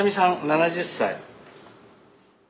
７０歳。